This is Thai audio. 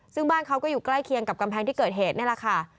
ซึ่งบ้านเขาก็อยู่ใกล้เคียงกับกำแพงที่เกิดเหตุนี่แหละค่ะ